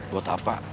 gua tak apa